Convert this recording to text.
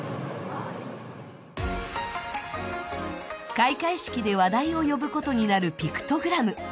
開会式で話題を呼ぶことになるピクトグラム。